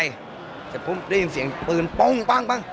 หลังจากนี้ได้ยินเสียงปืนปวงปั้ง